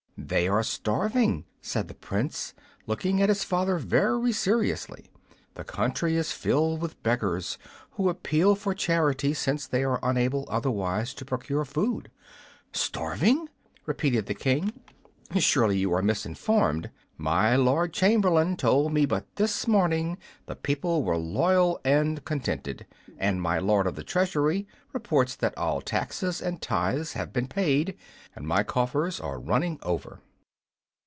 "They are starving," said the Prince, looking at his father very seriously; "the country is filled with beggars, who appeal for charity, since they are unable otherwise to procure food." "Starving!" repeated the King; "surely you are misinformed. My Lord Chamberlain told me but this morning the people were loyal and contented, and my Lord of the Treasury reports that all taxes and tithes have been paid, and my coffers are running over."